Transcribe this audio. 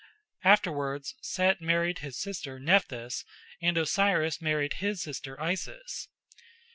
Afterwards Set married his sister Nephthys, and Osiris married his sister Isis.